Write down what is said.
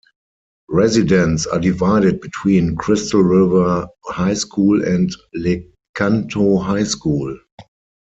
Residents are divided between Crystal River High School and Lecanto High School.